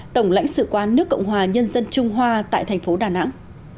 tổng lãnh sự quán nước cộng hòa nhân dân trung hoa tại thành phố đà nẵng